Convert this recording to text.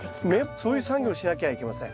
そういう作業をしなきゃいけません。